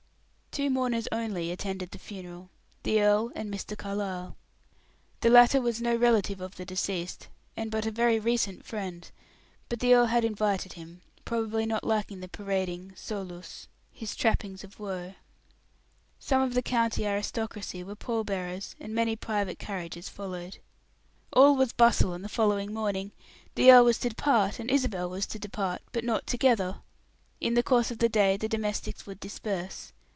Two mourners only attended the funeral the earl and Mr. Carlyle. The latter was no relative of the deceased, and but a very recent friend; but the earl had invited him, probably not liking the parading, solus, his trappings of woe. Some of the county aristocracy were pallbearers, and many private carriages followed. All was bustle on the following morning. The earl was to depart, and Isabel was to depart, but not together. In the course of the day the domestics would disperse.